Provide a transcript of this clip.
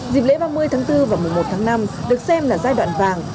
dịp lễ ba mươi tháng bốn và mùa một tháng năm được xem là giai đoạn vàng